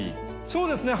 そうですね